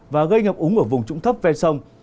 và gây ngập úng ở vùng trũng thấp ven sông